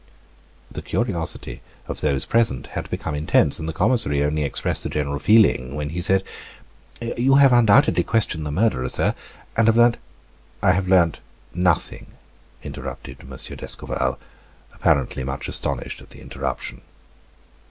The curiosity of those present had become intense; and the commissary only expressed the general feeling when he said: "You have undoubtedly questioned the murderer, sir, and have learnt " "I have learnt nothing," interrupted M. d'Escorval, apparently much astonished at the interruption.